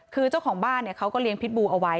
คือเจ้าของบ้านเขาก็เลี้ยพิษบูเอาไว้